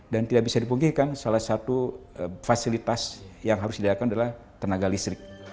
dan tidak bisa dipungkinkan salah satu fasilitas yang harus didirikan adalah tenaga air